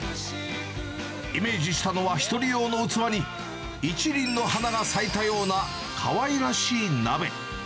イメージしたのは、１人用の器に、一輪の花が咲いたような、かわいらしい鍋。